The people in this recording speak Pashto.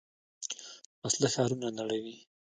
وسله ښارونه نړوي